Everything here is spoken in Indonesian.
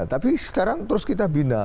tapi sekarang terus kita bina